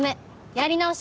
やり直し！